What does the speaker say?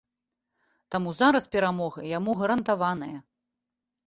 Таму зараз перамога яму гарантаваная.